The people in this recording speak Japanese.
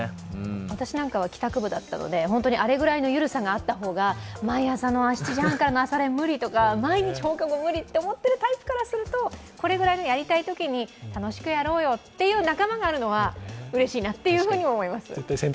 私なんかは帰宅部だったのであれくらいの緩さがあったら、毎朝７時半からの朝練無理とか、毎日放課後無理って思ってるタイプからするとこれくらいのやりたいときに楽しくやろうよという仲間があるのはうれしいなと思います。